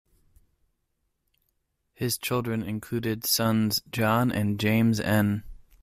His children included sons John and James N.